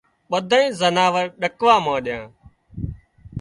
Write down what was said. ٻڌانئي زناور ڏڪوا مانڏيا